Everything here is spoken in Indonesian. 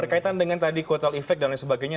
berkaitan dengan tadi kuotalefek dan lain sebagainya